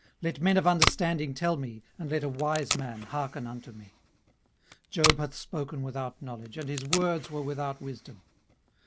18:034:034 Let men of understanding tell me, and let a wise man hearken unto me. 18:034:035 Job hath spoken without knowledge, and his words were without wisdom.